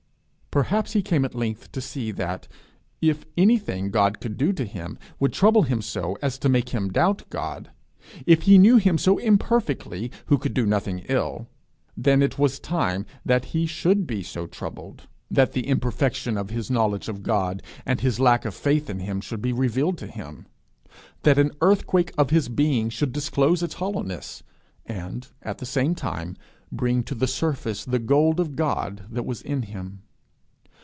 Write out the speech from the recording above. Perhaps he came at length to see that, if anything God could do to him would trouble him so as to make him doubt God if he knew him so imperfectly who could do nothing ill, then it was time that he should be so troubled, that the imperfection of his knowledge of God and his lack of faith in him should be revealed to him that an earthquake of his being should disclose its hollowness, and at the same time bring to the surface the gold of God that was in him.